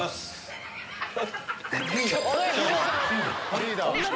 リーダー！